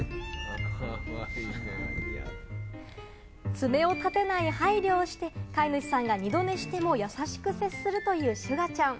爪を立てない配慮をして、飼い主さんが二度寝しても優しく接するというシュガちゃん。